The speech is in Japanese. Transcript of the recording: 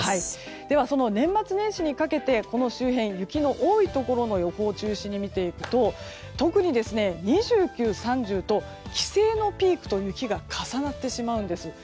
年末年始にかけて周辺、雪の多いところを予報を中心に見ていくと特に２９、３０と帰省のピークという日が重なってしまうんです。